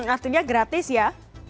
artinya gratis ya